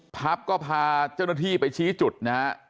พับก็พาเจ้าหน้าที่ไปชี้จุดนะฮะ